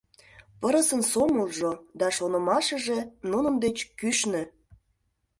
Пырысын сомылжо да шонымашыже нунын деч кӱшнӧ.